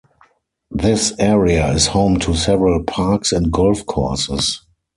This area is home to several parks and golf courses.